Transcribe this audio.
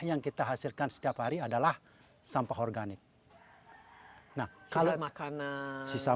yang kita hasilkan setiap hari adalah sampah organik nah kalau makanan sisa